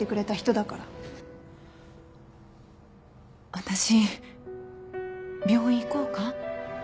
私病院行こうか？